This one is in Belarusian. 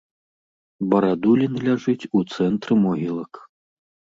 Барадулін ляжыць у цэнтры могілак.